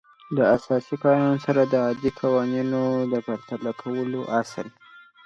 د اساسي قانون سره د عادي قوانینو د پرتله کولو اصل